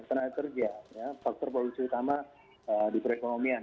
ketika kita bicara kesehatan dan ekonomi itu suatu hal yang mengembalikan